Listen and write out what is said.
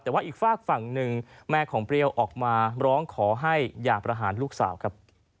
แต่ว่าอีกฝากฝั่งหนึ่งแม่ของเปรี้ยวออกมาร้องขอให้อย่าประหารลูกสาวครับ